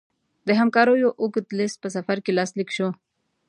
د همکاریو اوږد لېست په سفر کې لاسلیک شو.